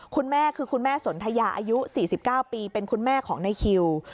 คุณแม่คือคุณแม่สนทยาอายุ๔๙ปีเป็นคุณแม่ของในคิว